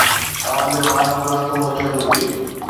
توهان جو ٻار افلاطون هجڻ گهرجي